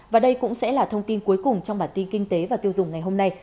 và đây cũng sẽ là thông tin cuối cùng trong bản tin kinh tế và tiêu dùng ngày hôm nay